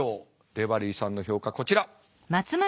デバリーさんの評価こちら。